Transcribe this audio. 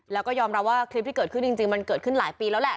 แล้วก็ยอมรับว่าคลิปที่เกิดขึ้นจริงมันเกิดขึ้นหลายปีแล้วแหละ